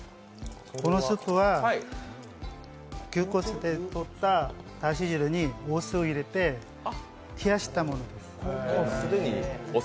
このスープは、牛骨でとっただし汁にお酢を入れて冷やしたものです。